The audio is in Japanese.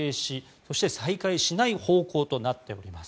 そして、再開しない方向となっております。